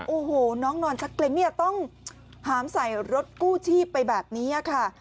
โอ้โหน้องนอนชักเกรงเนี่ยต้องหามใส่รถกู้ชีพไปแบบนี้ค่ะ